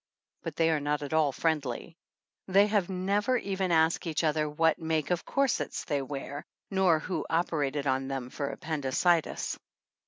But they are not at all friendly. They have never even asked each other what make of corsets they wear, nor who operated on them for appendicitis.